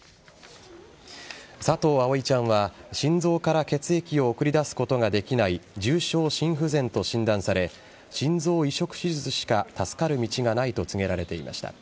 佐藤葵ちゃんは心臓から血液を送り出すことができない重症心不全と診断され心臓移植手術しか助かる道がないと告げられていました。